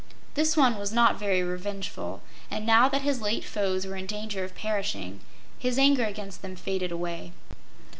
This one was not very revengeful, and now that his late foes were in danger of perishing, his anger against them faded away.